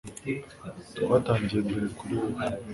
Twatangiye mbere kuri wewe